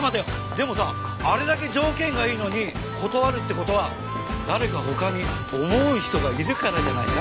でもさあれだけ条件がいいのに断るって事は誰か他に思う人がいるからじゃないか？